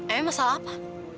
emangnya masalah apa